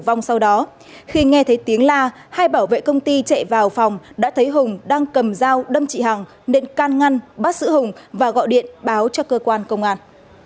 tử vong sau đó khi nghe thấy tiếng la hai bảo vệ công ty chạy vào phòng đã thấy hùng đang cầm dao đâm chị hằng nên can ngăn bắt sử hùng và gọi điện báo cho cơ quan công an